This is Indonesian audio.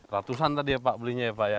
ratusan tadi ya pak belinya ya pak ya